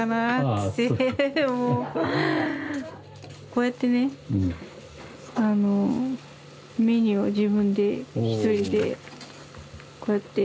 こうやってねメニューを自分でひとりでこうやって。